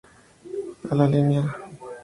A la línea Sta.